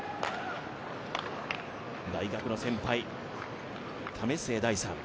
大学の先輩、為末大さん